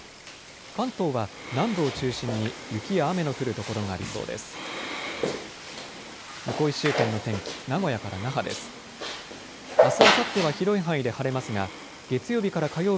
関東は南部を中心に雪や雨の降る所がありそうです。